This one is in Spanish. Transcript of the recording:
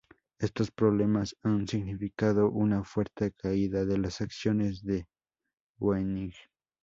Estos problemas han significado una fuerte caída de las acciones de Boeing.